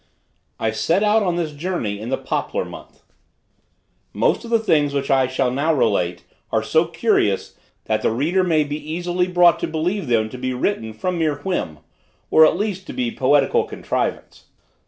I set out on this journey in the Poplar month. Most of the things which I shall now relate, are so curious, that the reader may be easily brought to believe them to be written from mere whim, or at least to be poetical contrivance.